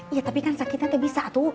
ya tapi kan sakitnya gak bisa tuh